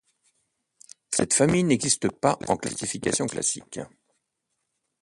Cette famille n'existe pas en classification classique.